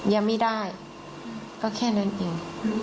ยังไม่ได้ก็แค่นั้นเอง